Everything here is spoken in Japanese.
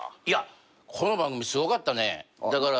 いやこの番組すごかったね。